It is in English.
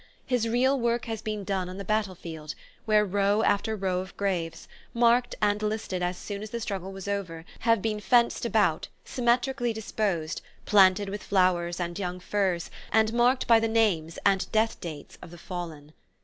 His real work has been done on the battle field, where row after row of graves, marked and listed as soon as the struggle was over, have been fenced about, symmetrically disposed, planted with flowers and young firs, and marked by the names and death dates of the fallen.